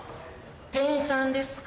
店員さんですか？